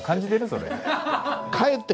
それ。